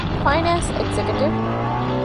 ފައިނޭންސް އެގްޒެކެޓިވް